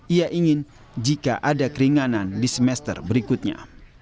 ia ingin jika ada keringanan di semester berikutnya